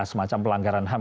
semacam pelanggaran ham